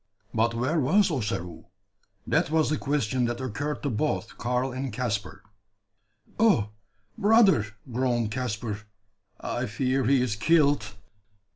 But where was Ossaroo? That was the question that occurred to both Karl and Caspar. "Oh! brother!" groaned Caspar, "I fear he is killed!"